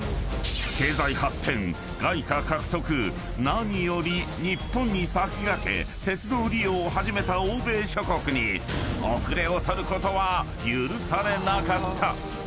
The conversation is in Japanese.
［何より日本に先駆け鉄道利用を始めた欧米諸国に後れを取ることは許されなかった］